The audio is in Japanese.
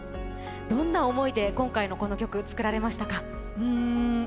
どんな思いで今回のこの曲、作られましたか？